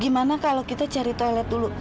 gimana kalau kita cari toilet dulu